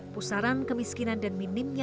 pusaran kemiskinan dan minimnya